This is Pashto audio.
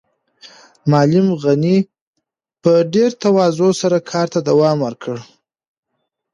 معلم غني په ډېره تواضع سره کار ته دوام ورکړ.